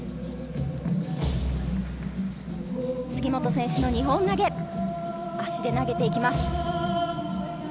杉本選手の２本投げ、足で投げていきます。